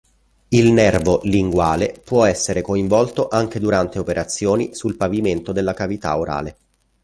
Il nervo linguale può essere coinvolto anche durante operazioni sul pavimento della cavità orale.